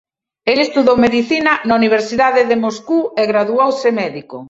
El estudou medicina na Universidade de Moscou e graduouse médico.